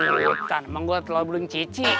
rambutan emang gua telah beli yang cici